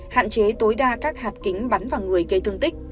hạn chế tối đa các hạt kính bắn vào người gây thương tích